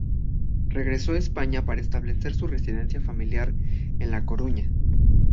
Regresó a España para establecer su residencia familiar en La Coruña.